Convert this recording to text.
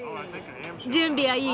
準備はいい？